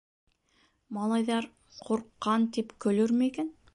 Малайҙар, ҡурҡҡан, тип көлөрмө икән?